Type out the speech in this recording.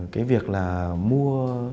cái việc là mua